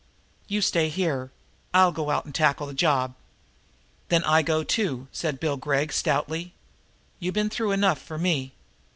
You stay here I'll go out and tackle the job." "Then I go, too," said Bill Gregg stoutly. "You been through enough for me.